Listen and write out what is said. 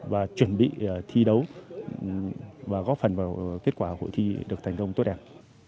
và chuẩn bị thi đấu và góp phần vào kết quả hội thi được thành công tốt đẹp